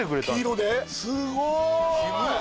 すごーい